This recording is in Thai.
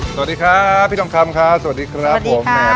สวัสดีครับพี่น้องคำค่ะสวัสดีครับสวัสดีครับ